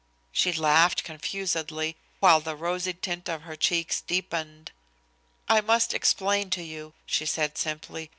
She laughed confusedly while the rosy tint of her cheeks deepened. "I must explain to you," she said simply.